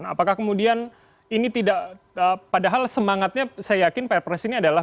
apakah kemudian ini tidak padahal semangatnya saya yakin pr press ini adalah